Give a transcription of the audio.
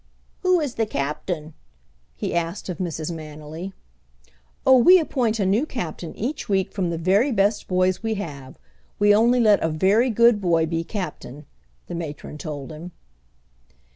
"Who is the captain?" he asked of Mrs. Manily. "Oh, we appoint a new captain each week from the very best boys we have. We only let a very good boy be captain," the matron told him.